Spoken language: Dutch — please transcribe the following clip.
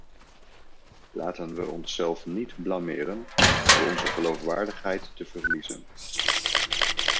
Laten we onszelf niet blameren door onze geloofwaardigheid te verliezen.